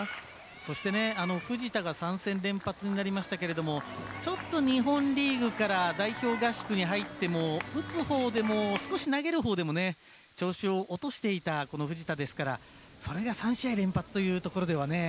そして、藤田が３戦連発になりましたけどちょっと日本リーグから代表合宿に入っても打つほうでも少し投げるほうでも調子を落としていたこの藤田ですからそれが３試合連発というところではね。